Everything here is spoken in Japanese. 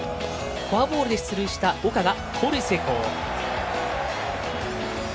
フォアボールで出塁した岡が盗塁成功。